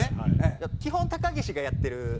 基本高岸がやってる映像が。